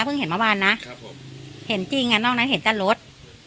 เห็นเมื่อวานนะครับผมเห็นจริงอ่ะนอกนั้นเห็นแต่รถ